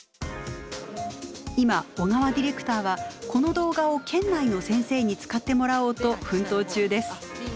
今小河ディレクターはこの動画を県内の先生に使ってもらおうと奮闘中です。